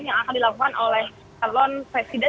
yang akan dilakukan oleh calon presiden